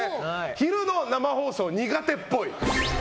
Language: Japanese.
昼の生放送苦手っぽい。